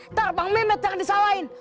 ntar bang mehmet jangan disalahin